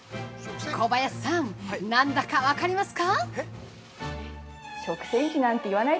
小林さん何だか分かりますか？